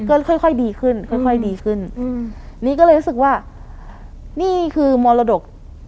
ก็ค่อยค่อยดีขึ้นค่อยค่อยดีขึ้นอืมนี่ก็เลยรู้สึกว่านี่คือมรดก